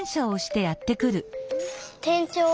てんちょう！